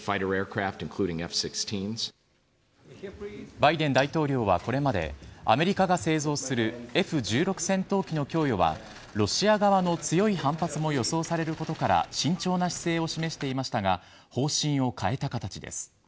バイデン大統領は、これまでアメリカが製造するＦ‐１６戦闘機の供与はロシア側の強い反発も予想されることから慎重な姿勢を示していましたが方針を変えた形です。